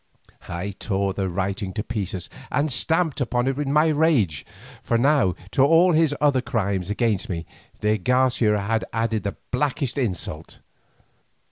I tore the writing to pieces and stamped upon it in my rage, for now, to all his other crimes against me, de Garcia had added the blackest insult.